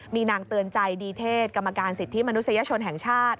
มีนางเตือนใจดีเทศกรรมการสิทธิมนุษยชนแห่งชาติ